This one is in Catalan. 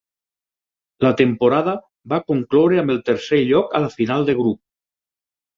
La temporada va concloure amb el tercer lloc a la final de grup.